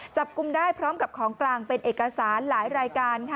จับกลุ่มได้พร้อมกับของกลางเป็นเอกสารหลายรายการค่ะ